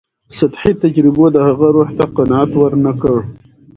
سطحي تجربو د هغه روح ته قناعت ورنکړ.